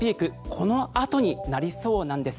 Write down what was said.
このあとになりそうなんです。